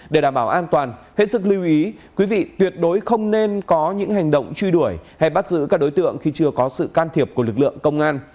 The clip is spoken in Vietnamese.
để đảm bảo an toàn hãy sức lưu ý quý vị tuyệt đối không nên có những hành động truy đuổi hay bắt giữ các đối tượng khi chưa có sự can thiệp của lực lượng công an